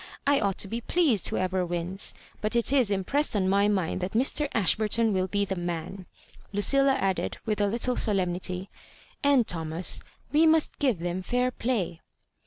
I ought to be pleased whoeyer wins. But it is impressed on my mind that Mr. Ashburton will be the man," Lucilla added, with a little solemnity, "and, Thomas, we must giye them fair play."